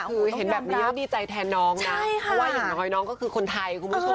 คือเห็นแบบนี้ก็ดีใจแทนน้องนะเพราะว่าอย่างน้อยน้องก็คือคนไทยคุณผู้ชม